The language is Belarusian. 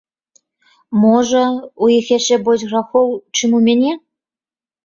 Можа, у іх яшчэ больш грахоў, чым у мяне?